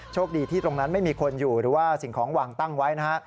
โชคดีที่ตรงนั้นไม่มีคนอยู่หรือว่าสิ่งของวางตั้งไว้นะฮะ